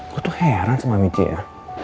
gue tuh heran sama michi ya